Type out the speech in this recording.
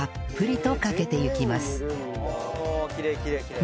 ああきれいきれいきれい。